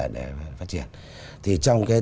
để phát triển thì trong cái